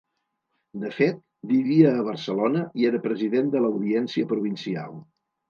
De fet, vivia a Barcelona i era president de l’audiència provincial.